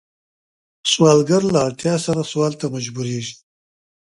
سوالګر له اړتیا سره سوال ته مجبوریږي